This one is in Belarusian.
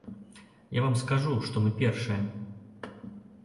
Я вам скажу, што мы першыя.